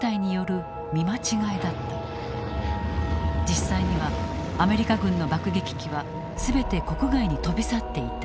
実際にはアメリカ軍の爆撃機は全て国外に飛び去っていた。